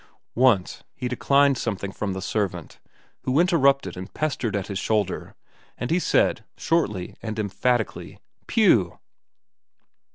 Once, he declined something from the servant who interrupted and pestered at his shoulder, and he said, shortly and emphatically, "Pow!"